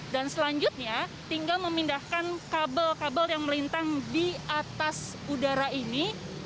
dan selanjutnya tinggal memindahkan kabel kabel yang melintang di atas udara ini